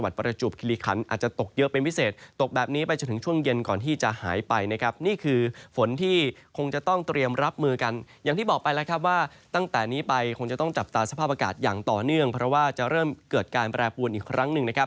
ต่อเนื่องเพราะว่าจะเริ่มเกิดการแปรปวนอีกครั้งหนึ่ง